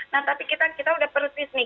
nah tapi kita udah persis nih